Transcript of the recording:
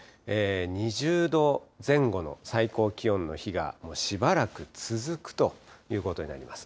２０度前後の最高気温の日が、しばらく続くということになります。